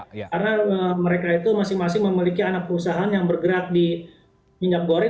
karena mereka itu masing masing memiliki perusahaan perusahaan yang bergerak di minyak goreng